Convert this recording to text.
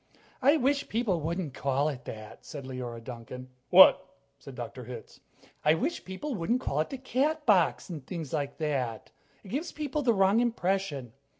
"I wish people wouldn't call it that," said Leora Duncan. "What?" said Dr. Hitz. "I wish people wouldn't call it 'the Catbox,' and things like that," she said. "It gives people the wrong impression."